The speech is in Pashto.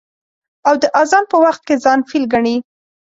او د اذان په وخت کې ځان فيل گڼي.